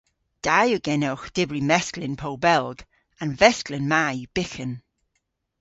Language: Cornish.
Da yw genowgh dybri meskel yn Pow Belg. An vesklen ma yw byghan.